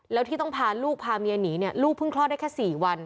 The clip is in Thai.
แล้วที่ต้องพาลูกพาเมียหนีเนี่ยลูกเพิ่งคลอดได้แค่๔วัน